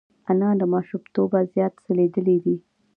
انا له ماشومتوبه زیات څه لیدلي دي